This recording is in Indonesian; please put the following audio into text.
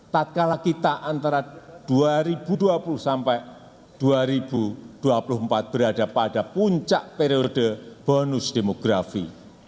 tak kalah kita antara dua ribu dua puluh sampai dua ribu dua puluh empat berada pada puncak periode bonus demografi